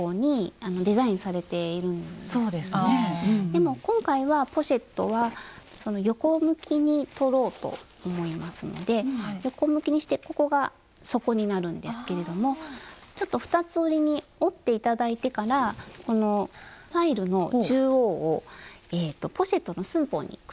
でも今回はポシェットは横向きに取ろうと思いますので横向きにしてここが底になるんですけれどもちょっと二つ折りに折って頂いてからこのファイルの中央をポシェットの寸法にくりぬいたものがあるんですね。